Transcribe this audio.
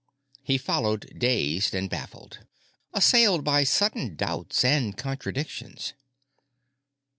He followed, dazed and baffled, assailed by sudden doubts and contradictions.